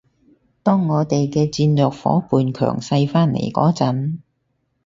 當我哋嘅戰略夥伴強勢返嚟嗰陣